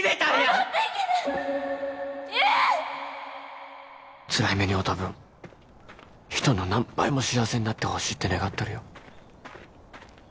戻ってきて優！つらい目に遭うた分人の何倍も幸せになってほしいって願っとるよ